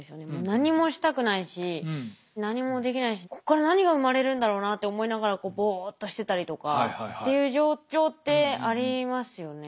何もしたくないし何もできないしここから何が生まれるんだろうなって思いながらこうぼっとしてたりとかっていう状況ってありますよね。